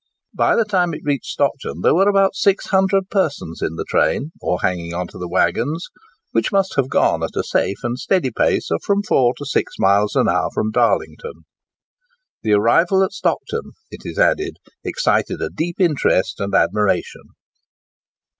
By the time it reached Stockton there were about 600 persons in the train or hanging on to the waggons, which must have gone at a safe and steady pace of from four to six miles an hour from Darlington. "The arrival at Stockton," it is added, "excited a deep interest and admiration."